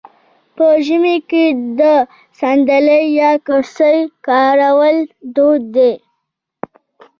په ژمي کې د ساندلۍ یا کرسۍ کارول دود دی.